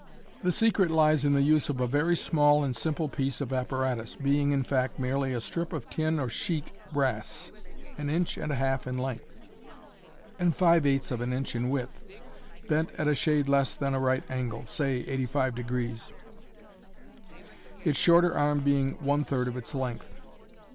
The secret lies in the use of a very small and simple piece of apparatus, being, in fact, merely a strip of tin or sheet brass, an inch and a half in length, and five eighths of an inch in width, bent at t shade less than a right angle — say 850 j its shorter arm being one third of its length.